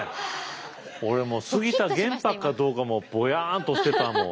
俺もう杉田玄白かどうかもボヤンとしてたもん。